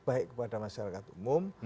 baik kepada masyarakat umum